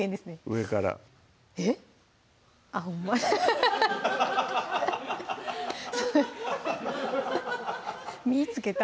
上からえっ⁉あっほんまやみいつけた！